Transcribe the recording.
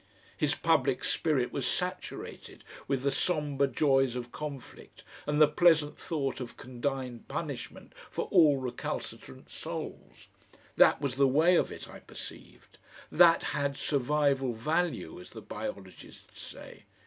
His public spirit was saturated with the sombre joys of conflict and the pleasant thought of condign punishment for all recalcitrant souls. That was the way of it, I perceived. That had survival value, as the biologists say.